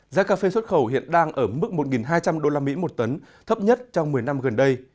giá cà phê xuất khẩu hiện đang ở mức một hai trăm linh usd một tấn thấp nhất trong một mươi năm gần đây